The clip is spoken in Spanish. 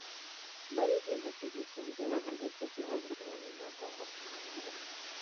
Varios libros suyos se han traducido al castellano como "Vergüenza" o "Fugitiva".